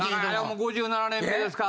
５７年目ですか？